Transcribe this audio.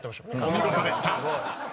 ［お見事でした］